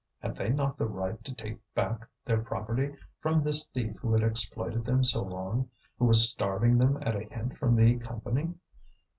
Had they not the right to take back their property from this thief who had exploited them so long, who was starving them at a hint from the Company?